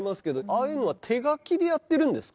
ああいうのは手書きでやってるんですか？